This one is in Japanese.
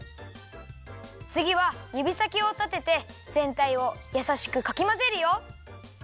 つぎはゆびさきをたててぜんたいをやさしくかきまぜるよ。